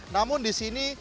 namun di sini